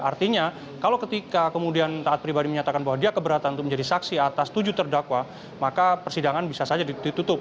artinya kalau ketika kemudian taat pribadi menyatakan bahwa dia keberatan untuk menjadi saksi atas tujuh terdakwa maka persidangan bisa saja ditutup